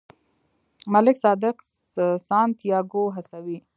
ملک صادق سانتیاګو هڅوي.